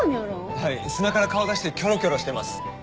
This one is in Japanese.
はい砂から顔出してキョロキョロしてます。